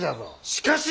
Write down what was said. しかし！